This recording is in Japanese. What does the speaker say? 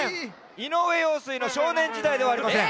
井上陽水の「少年時代」ではありません。